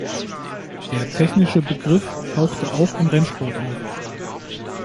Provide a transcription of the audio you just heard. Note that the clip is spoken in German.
Der technische Begriff tauchte auch im Rennsport auf.